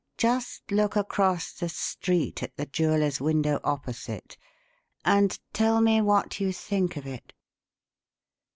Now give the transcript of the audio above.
Just look across the street, at the jeweller's window, opposite, and tell me what you think of it."